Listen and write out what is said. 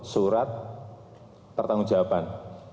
surat pertanggung jawaban